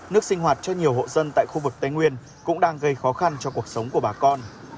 nước sinh hoạt cho nhiều hộ dân tại khu vực tây nguyên cũng đang gây khó khăn cho cuộc sống của bà con